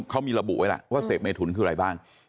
เขามีระบุไว้แล้วว่าเสพเมทุนคืออะไรบ้าง